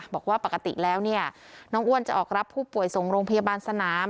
บอกว่าปกติแล้วเนี่ยน้องอ้วนจะออกรับผู้ป่วยส่งโรงพยาบาลสนาม